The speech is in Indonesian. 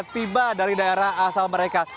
tiba dari daerah asal mereka